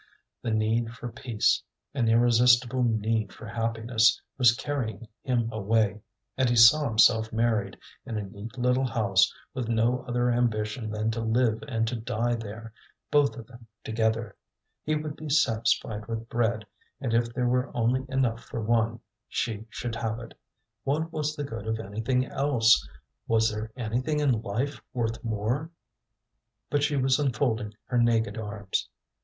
The need for peace, an irresistible need for happiness, was carrying him away; and he saw himself married, in a neat little house, with no other ambition than to live and to die there, both of them together. He would be satisfied with bread; and if there were only enough for one, she should have it. What was the good of anything else? Was there anything in life worth more? But she was unfolding her naked arms.